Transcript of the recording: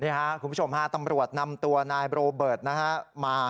นี่ครับคุณผู้ชมฮะตำรวจนำตัวนายโรเบิร์ตนะฮะมา